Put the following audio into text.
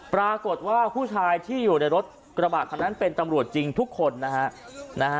ปรากฏว่าผู้ชายที่อยู่ในรถกระบาดคันนั้นเป็นตำรวจจริงทุกคนนะฮะ